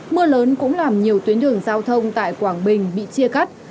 mưa lớn cũng làm nhiều tuyến đường giao thông tại quảng bình bị chia cắt